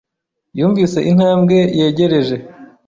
yumvise intambwe yegereje.